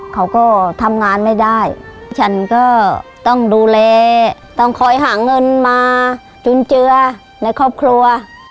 เขาก็ทำงานไม่ได้ฉันก็ต้องดูแลต้องคอยหาเงินมาจุนเจือในครอบครัว